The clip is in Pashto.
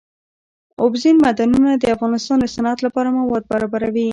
اوبزین معدنونه د افغانستان د صنعت لپاره مواد برابروي.